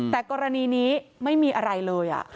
แต่กรณีนี้ไม่มีอะไรเลย